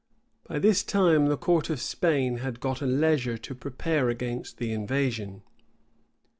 By this time, the court of Spain had gotten leisure to prepare against the invasion.